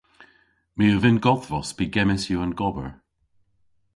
My a vynn godhvos pygemmys yw an gober.